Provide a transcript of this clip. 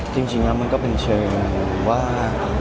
จริงแล้วมันก็เป็นเชิงว่า